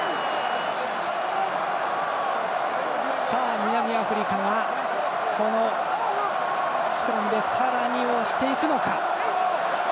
南アフリカはこのスクラムでさらに押していくのか。